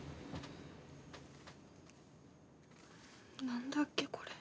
何だっけこれ。